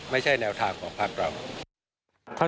ไม่ใช่แนวทางของพักเรา